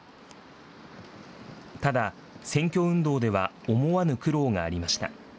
ただ、選挙運動では思わぬ苦労がありました。